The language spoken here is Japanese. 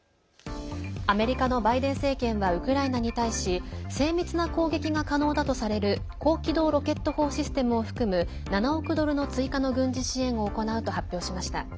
アメリカのバイデン政権はウクライナに対し精密な攻撃が可能だとされる高機動ロケット砲システムを含む７億ドルの追加の軍事支援を行うと発表しました。